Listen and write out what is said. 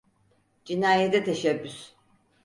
Cinayete teşebbüs.